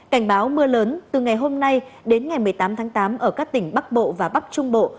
cảnh báo mưa lớn từ ngày hôm nay đến ngày một mươi tám tháng tám ở các tỉnh bắc bộ và bắc trung bộ